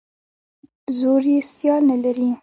زور یې سیال نه لري.